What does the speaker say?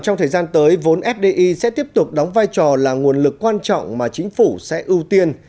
trong thời gian tới vốn fdi sẽ tiếp tục đóng vai trò là nguồn lực quan trọng mà chính phủ sẽ ưu tiên